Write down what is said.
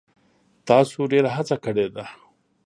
تاسو ډیره هڅه کړې ده.